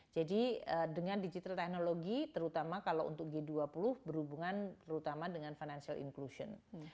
jadi dengan digital technology terutama kalau untuk g dua puluh berhubungan terutama dengan financial inclusion